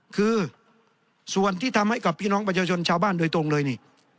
คือส่วนที่ทำให้กับพี่น้องประชาชนชาวบ้านโดยตรงเลยนี่